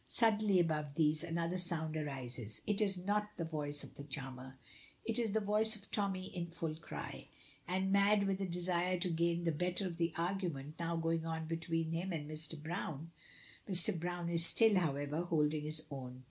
Suddenly above these, another sound arises. It is not the voice of the charmer. It is the voice of Tommy in full cry, and mad with a desire to gain the better of the argument now going on between him and Mr. Browne. Mr. Browne is still, however, holding his own.